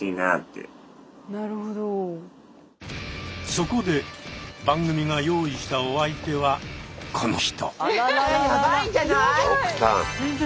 そこで番組が用意したお相手はこの人。